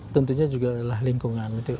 tentunya juga adalah lingkungan